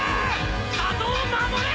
里を守れ！